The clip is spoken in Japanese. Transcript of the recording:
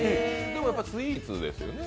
でもスイーツですよね？